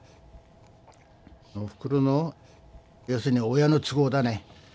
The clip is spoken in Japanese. おふくろの要するに親の都合だね。